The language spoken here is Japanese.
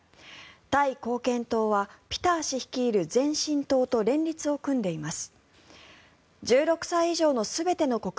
タイ貢献党はピター氏率いる前進党と連立を組んでいます。